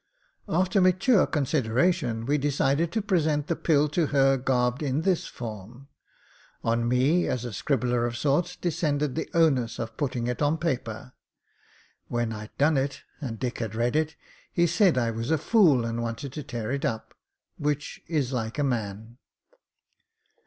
After mature consideration we decided to present the pill to her garbed in this form. On me — as a scribbler of sorts— descended the onus of putting it on paper. When I'd done it, and Dick had read it, he said I was a fool, and wanted to tear it up. Which is like a man.